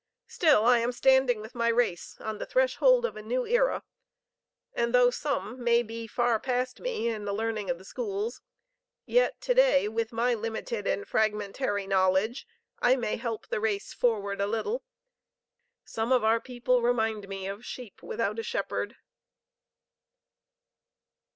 Still I am standing with my race on the threshold of a new era, and though some be far past me in the learning of the schools, yet to day, with my limited and fragmentary knowledge, I may help the race forward a little. Some of our people remind me of sheep without a shepherd."